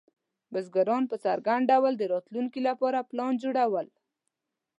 بزګران په څرګند ډول د راتلونکي لپاره پلان جوړول.